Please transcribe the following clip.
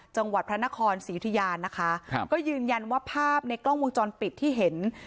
จังหวัดพระนครศรียุธยานะคะครับก็ยืนยันว่าภาพในกล้องวงจรปิดที่เห็น